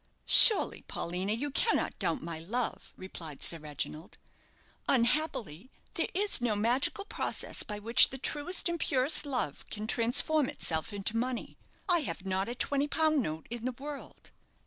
"Surely, Paulina, you cannot doubt my love," replied Sir Reginald; "unhappily, there is no magical process by which the truest and purest love can transform itself into money. I have not a twenty pound note in the world."